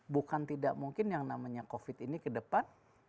bukan tidak mungkin yang namanya covid ini ke depan